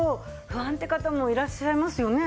不安って方もいらっしゃいますよね？